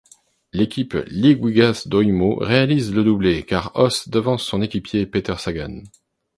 L'équipe Liquigas-Doimo réalise le doublé car Oss devance son équipier Peter Sagan.